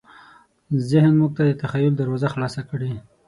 ذهن موږ ته د تخیل دروازه خلاصه کړې.